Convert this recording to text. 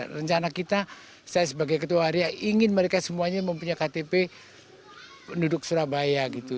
rencana kita saya sebagai ketua waria ingin mereka semuanya mempunyai ktp penduduk surabaya gitu